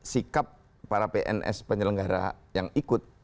sikap para pns penyelenggara yang ikut